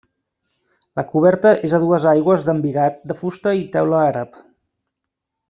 La coberta és a dues aigües d'embigat de fusta i teula àrab.